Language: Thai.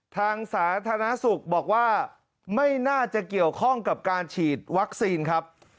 สาธารณสุขบอกว่าไม่น่าจะเกี่ยวข้องกับการฉีดวัคซีนครับ